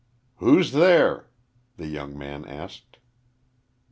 "Who's there?" the young man asked.